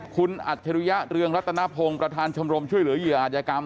คุณอัจฉริยะเรืองรัตนพงศ์ประธานชมรมช่วยเหลือเหยื่ออาจยกรรม